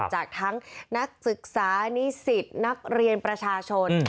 จากทั้งนักศึกษานิสิตนักเรียนประชาชน